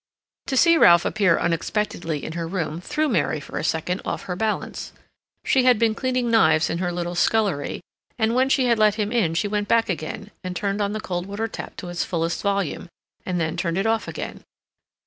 To see Ralph appear unexpectedly in her room threw Mary for a second off her balance. She had been cleaning knives in her little scullery, and when she had let him in she went back again, and turned on the cold water tap to its fullest volume, and then turned it off again.